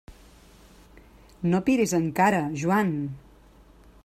No piris encara, Joan!